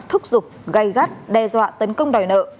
thúc giục gây gắt đe dọa tấn công đòi nợ